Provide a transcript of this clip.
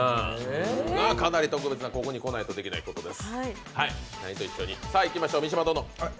かなり特別な、ここに来ないとできないことです。